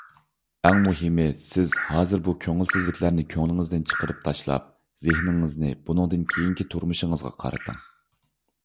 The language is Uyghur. ئەڭ مۇھىمى، سىز ھازىر بۇ كۆڭۈلسىزلىكلەرنى كۆڭلىڭىزدىن چىقىرىپ تاشلاپ، زېھنىڭىزنى بۇنىڭدىن كېيىنكى تۇرمۇشىڭىزغا قارىتىڭ.